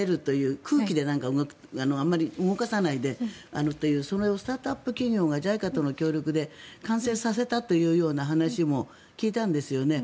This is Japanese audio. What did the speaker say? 空気であまり動かさないでそれをスタートアップ企業がＪＩＣＡとの協力で完成させたというような話も聞いたんです。